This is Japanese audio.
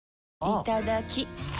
いただきっ！